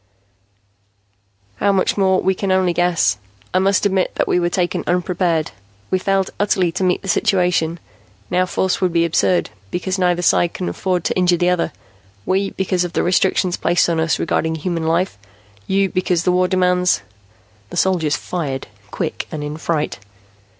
"How much more, we can only guess. I must admit that we were taken unprepared. We failed utterly to meet the situation. Now force would be absurd, because neither side can afford to injure the other; we, because of the restrictions placed on us regarding human life, you because the war demands " The soldiers fired, quick and in fright.